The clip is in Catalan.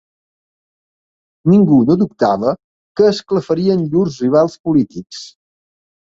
Ningú no dubtava que esclafarien llurs rivals polítics